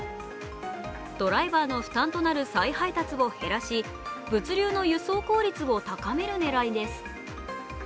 ドライバーの負担となる再配達を減らし物流の輸送効率を高める狙いです。